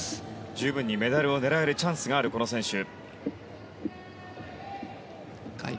十分にメダルを狙えるチャンスのあるこの選手。